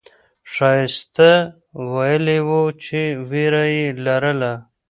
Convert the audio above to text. ښایسته ویلي وو چې ویره یې لرله.